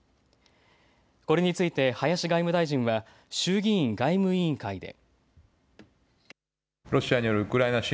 これについて林林外務大臣は衆議院外務委員会で。